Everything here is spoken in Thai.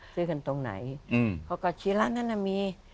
ซื้อกันตรงไหนเขาก็ชี้ร้านนั้นน่ะมี